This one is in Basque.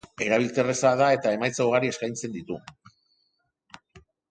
Erabilterreza da eta emaitza ugari esakaintzen ditu.